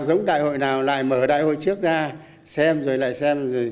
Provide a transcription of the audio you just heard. giống đại hội nào lại mở đại hội trước ra xem rồi lại xem rồi